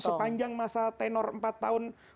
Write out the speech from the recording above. sepanjang masa tenor empat tahun